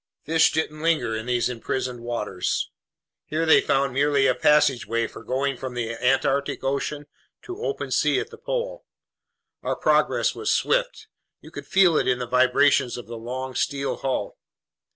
Fish didn't linger in these imprisoned waters. Here they found merely a passageway for going from the Antarctic Ocean to open sea at the pole. Our progress was swift. You could feel it in the vibrations of the long steel hull.